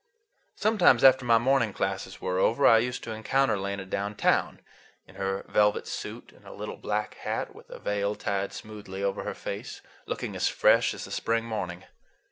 Sometimes after my morning classes were over, I used to encounter Lena downtown, in her velvet suit and a little black hat, with a veil tied smoothly over her face, looking as fresh as the spring morning.